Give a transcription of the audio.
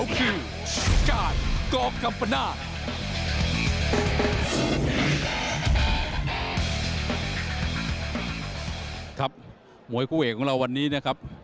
มวยคู่เอกของเราวันนี้นะครับ